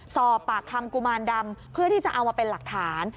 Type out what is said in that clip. สอบปากคำกุมารดำเพื่อที่จะเอามาเป็นหลักฐาน